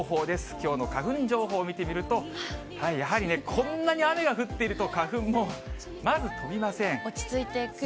きょうの花粉情報見てみると、やはりね、こんなに雨が降っていると花粉もまず飛びません。